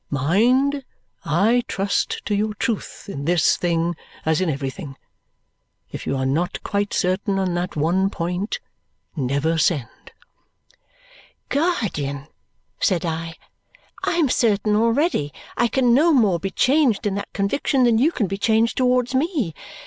Mind, I trust to your truth, in this thing as in everything. If you are not quite certain on that one point, never send!" "Guardian," said I, "I am already certain, I can no more be changed in that conviction than you can be changed towards me.